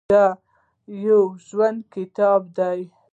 دا یو ژوندی کتاب دی.